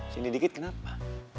sini dikit kenapa